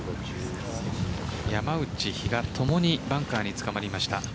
山内、比嘉ともにバンカーにつかまりました。